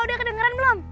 udah kedengeran belum